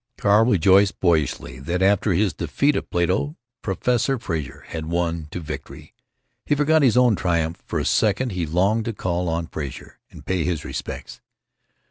Carl rejoiced boyishly that, after his defeat at Plato, Professor Frazer had won to victory. He forgot his own triumph. For a second he longed to call on Frazer and pay his respects.